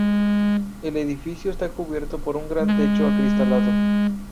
El edificio está cubierto por un gran techo acristalado.